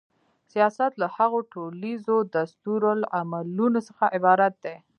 سیاست له هغو ټولیزو دستورالعملونو څخه عبارت دی.